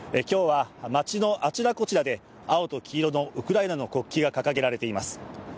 今日は、街のあちらこちらで青と黄色のウクライナの国旗が掲げられています。